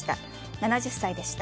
７０歳でした。